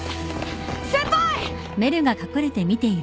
先輩！